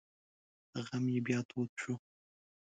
غم یې بیا تود شو.